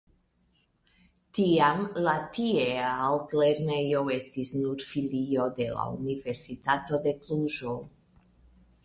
Tiam la tiea altlernejo estis nur filio de la Universitato de Kluĵo.